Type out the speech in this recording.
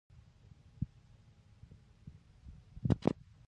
بامیان د افغانستان د موسم د بدلون سبب کېږي.